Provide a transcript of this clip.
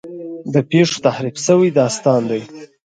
د پېښو تحریف شوی داستان دی.